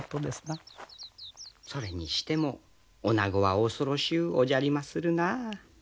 それにしても女子は恐ろしゅうおじゃりまするなあ。